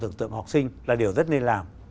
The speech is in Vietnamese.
tưởng tượng học sinh là điều rất nên làm